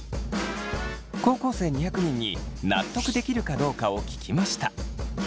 高校生２００人に納得できるかどうかを聞きました。